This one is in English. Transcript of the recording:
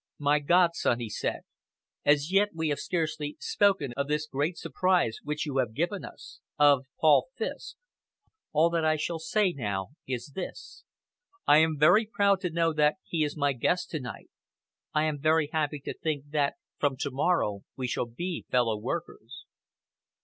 "My godson," he said, "as yet we have scarcely spoken of this great surprise which you have given us of Paul Fiske. All that I shall say now is this. I am very proud to know that he is my guest to night. I am very happy to think that from tomorrow we shall be fellow workers."